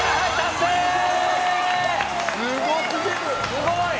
すごい！